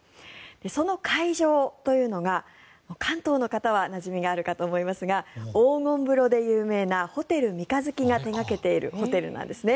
その会場というのが関東の方はなじみがあると思いますが黄金風呂で有名なホテル三日月が手掛けているホテルなんですね。